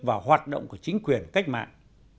và hoạt động của chính quyền cách mạng